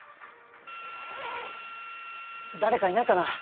誰かいないかな？